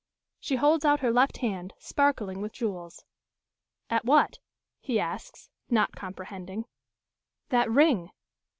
She holds out her left hand, sparkling with jewels. "At what?" he asks, not comprehending. "That ring."